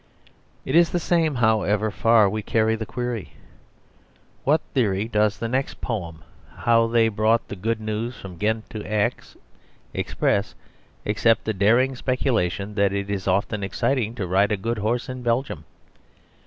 It is the same, however far we carry the query. What theory does the next poem, "How they brought the Good News from Ghent to Aix," express, except the daring speculation that it is often exciting to ride a good horse in Belgium?